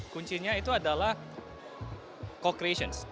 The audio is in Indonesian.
kuncinya itu adalah co creations